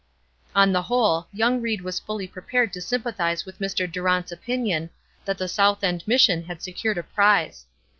On the whole, young Ried was fully prepared to sympathize with Mr. Durant's opinion, that the South End Mission had secured a prize.